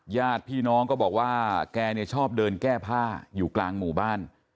ญาติพี่น้องก็บอกว่าแกเนี่ยชอบเดินแก้ผ้าอยู่กลางหมู่บ้าน